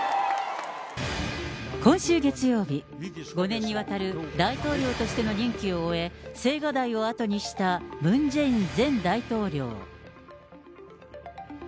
５年にわたる大統領としての任期を終え、青瓦台を後にしたムン・ジェイン前大統領。